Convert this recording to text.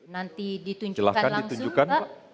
nanti ditunjukkan langsung pak